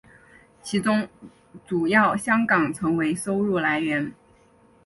其中主要香港成为收入来源。